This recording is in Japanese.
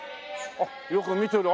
あっよく見てる。